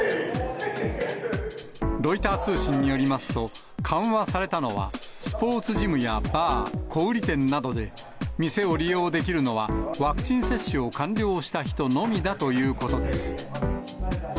ロイター通信によりますと、緩和されたのは、スポーツジムやバー、小売り店などで、店を利用できるのは、ワクチン接種を完了した人のみだということです。